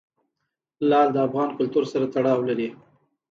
لعل د افغان کلتور سره تړاو لري.